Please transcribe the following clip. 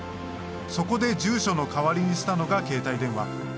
そこで住所の代わりにしたのが携帯電話。